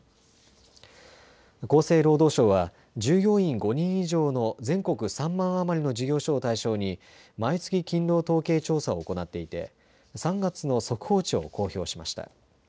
厚生労働省は従業員５人以上の全国３万余りの事業所を対象に毎月勤労統計調査を行っいて３月の速報値を公表しました。